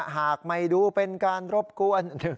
หากไม่ดูเป็นการรบกวน